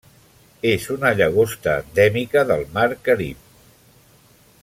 És una llagosta endèmica del Mar Carib.